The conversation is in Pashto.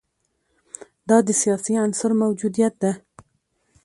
دا د سیاسي عنصر موجودیت ده.